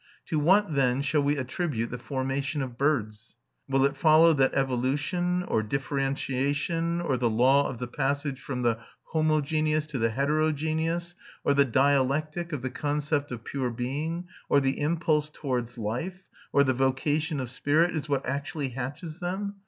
To what, then, shall we attribute the formation of birds? Will it follow that evolution, or differentiation, or the law of the passage from the homogeneous to the heterogeneous, or the dialectic of the concept of pure being, or the impulse towards life, or the vocation of spirit is what actually hatches them?